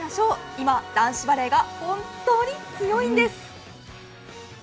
今、男子バレーが本当に強いんです。